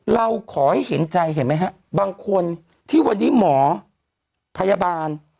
เราขอให้เห็นใจเห็นไหมฮะบางคนที่วันนี้หมอพยาบาล